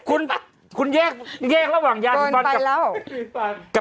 คุณคุณแยกแยกระหว่างยาสีฟันกับแปรงสีฟัน